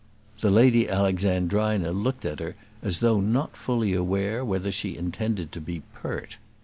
The Lady Alexandrina looked at her as though not fully aware whether she intended to be pert.